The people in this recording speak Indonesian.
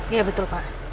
iya betul pak